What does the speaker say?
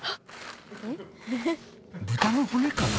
豚の骨かな？